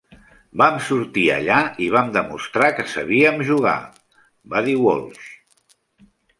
"Vam sortir allà i vam demostrar que sabíem jugar", va dir Walsh.